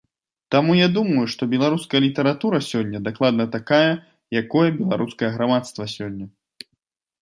Таму я думаю, што беларуская літаратура сёння дакладна такая, якое беларускае грамадства сёння.